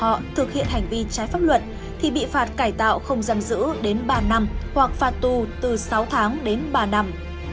hoặc thực hiện hành vi trái pháp luật thì bị phạt cải tạo không giam giữ đến ba năm hoặc phạt tù từ sáu tháng đến ba năm